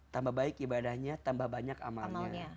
tambah baik ibadahnya tambah banyak amalnya